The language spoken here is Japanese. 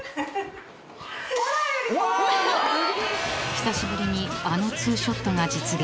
［久しぶりにあのツーショットが実現］